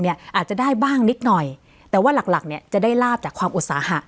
อาจจะได้บ้างนิดหน่อยแต่ว่าหลักหลักเนี่ยจะได้ลาบจากความอุตสาหะ